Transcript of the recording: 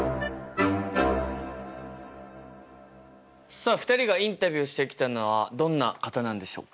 さあ２人がインタビューしてきたのはどんな方なんでしょうか？